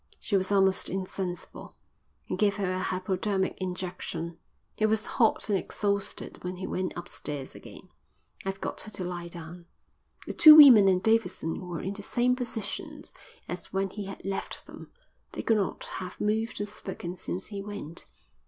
She was almost insensible. He gave her a hypodermic injection. He was hot and exhausted when he went upstairs again. "I've got her to lie down." The two women and Davidson were in the same positions as when he had left them. They could not have moved or spoken since he went.